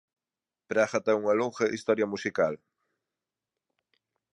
Praga ten unha longa historia musical.